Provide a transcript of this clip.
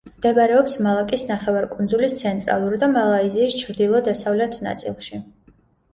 მდებარეობს მალაკის ნახევარკუნძულის ცენტრალურ და მალაიზიის ჩრდილო-დასავლეთ ნაწილში.